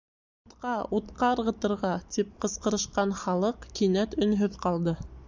«Утҡа, утҡа ырғытырға!» тип ҡысҡырышҡан халыҡ кинәт өнһөҙ ҡалды.